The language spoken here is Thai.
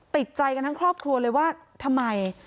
ติดใจกันทั้งครอบครัวเลยว่าทำไม